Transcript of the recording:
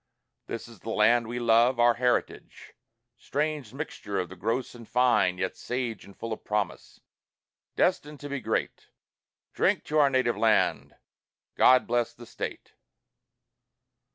This is the Land we love, our heritage, Strange mixture of the gross and fine, yet sage And full of promise, destined to be great. Drink to Our Native Land! God Bless the State!